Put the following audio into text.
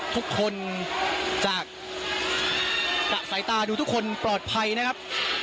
ทุกคนจากสายตาดูทุกคนปลอดภัยนะครับ